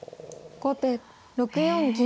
後手６四銀。